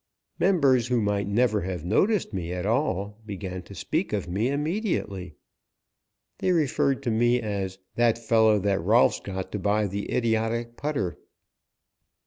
Members who might never have noticed me at all began to speak of me immediately. They referred to me as "that fellow that Rolfs got to buy the idiotic putter."